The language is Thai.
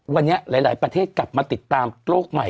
วันนี้หลายประเทศกลับมาติดตามโลกใหม่